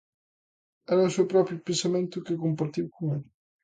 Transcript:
Era o seu propio pensamento, que compartiu con el.